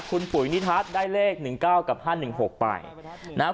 คุณปุ๋ยนิทัศน์ได้เลข๑๙กับ๕๑๖ไปนะครับ